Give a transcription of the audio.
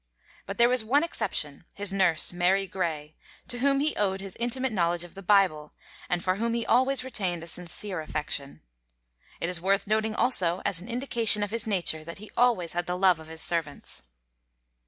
But there was one exception, his nurse Mary Gray, to whom he owed his intimate knowledge of the Bible, and for whom he always retained a sincere affection. It is worth noting also, as an indication of his nature, that he always had the love of his servants.